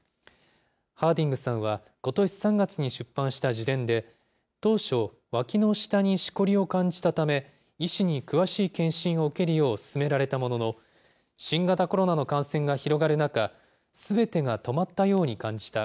ハーディングさんは、ことし３月に出版した自伝で、当初、わきの下にしこりを感じたため、医師に詳しい検診を受けるよう勧められたものの、新型コロナの感染が広がる中、すべてが止まったように感じた。